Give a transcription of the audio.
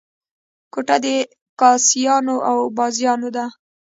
کوټه د کاسيانو او بازیانو ده.